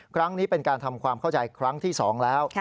ครั้งนี้เป็นการทำความเข้าใจครั้งที่๒แล้ว